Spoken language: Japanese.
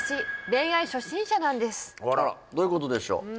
こちらあらどういうことでしょう？